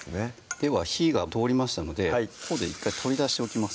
では火が通りましたのでここで１回取り出しておきます